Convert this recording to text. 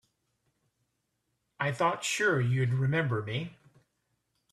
I thought sure you'd remember me.